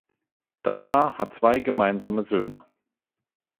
Das Paar hat zwei gemeinsame Söhne.